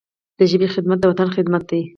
د ژبي خدمت، د وطن خدمت دی.